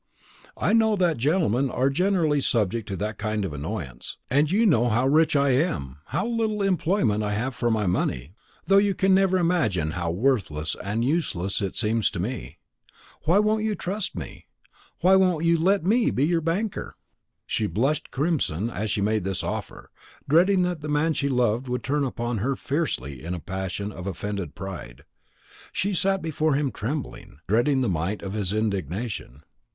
I know that gentlemen are generally subject to that kind of annoyance; and you know how rich I am, how little employment I have for my money, though you can never imagine how worthless and useless it seems to me. Why won't you trust me? why won't you let me be your banker?" She blushed crimson as she made this offer, dreading that the man she loved would turn upon her fiercely in a passion of offended pride. She sat before him trembling, dreading the might of his indignation.